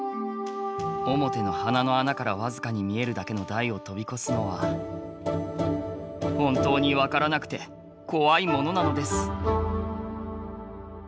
面の鼻の穴からわずかに見えるだけの台を飛び越すのは本当にわからなくて恐いものなのです